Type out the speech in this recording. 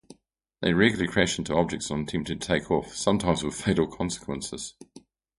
They regularly crash into objects on attempting to take off, sometimes with fatal consequences.